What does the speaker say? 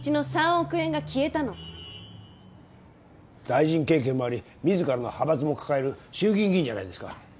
大臣経験もあり自らの派閥も抱える衆議院議員じゃないですか。